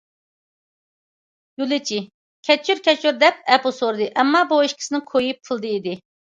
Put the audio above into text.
يولۇچى« كەچۈر، كەچۈر» دەپ ئەپۇ سورىدى، ئەمما بۇ ئىككىسىنىڭ كويى پۇلدا ئىدى.